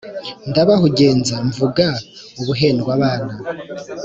Ndabahugenza mvuga ubuhendwabana